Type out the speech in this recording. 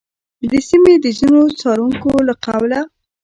د سیمې د ځینو څارونکو له قوله،